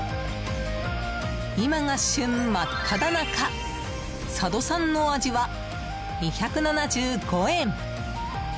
今が旬真っただ中佐渡産のあじは、２７５円。